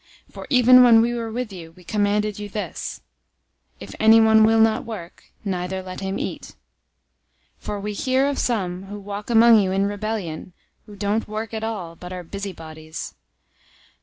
003:010 For even when we were with you, we commanded you this: "If anyone will not work, neither let him eat." 003:011 For we hear of some who walk among you in rebellion, who don't work at all, but are busybodies.